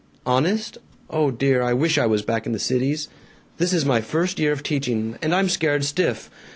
"Honest? Oh dear, I wish I was back in the Cities! This is my first year of teaching, and I'm scared stiff.